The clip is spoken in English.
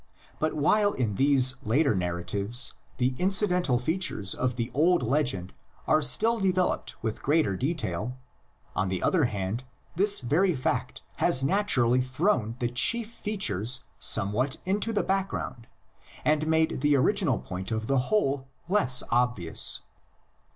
But while in these later narratives the incidental features of the old legend are still developed with greater detail, on the other hand this very fact has naturally thrown the chief features somewhat into the background and made the original point of the whole less obvious.